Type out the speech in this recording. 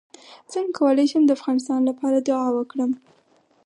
څنګه کولی شم د افغانستان لپاره دعا وکړم